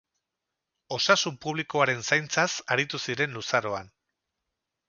Osasun publikoaren zaintzaz aritu ziren luzaroan.